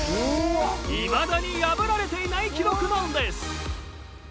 いまだに破られていない記録なんです。